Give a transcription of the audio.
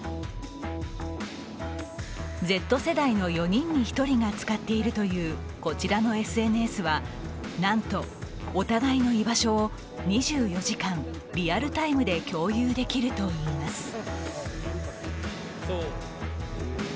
Ｚ世代の４人に１人が使っているというこちらのＳＮＳはなんとお互いの居場所を２４時間リアルタイムで共有できるといいます。